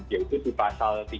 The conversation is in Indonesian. yaitu di pasal